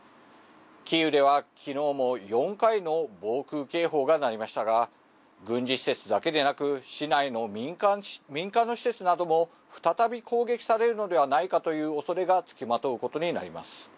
キーウではきのうも４回の防空警報が鳴りましたが、軍事施設だけでなく、市内の民間の施設なども再び攻撃されるのではないかというおそれが付きまとうことになります。